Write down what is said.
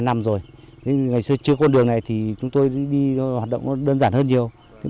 ba năm rồi ngày xưa chưa con đường này thì chúng tôi đi hoạt động đơn giản hơn nhiều